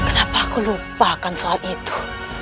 kenapa aku lupakan soal itu